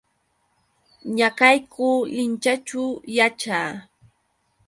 Ñaqayku Linchaćhu yaćhaa.